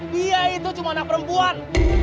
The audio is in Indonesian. dia itu cuma anak perempuan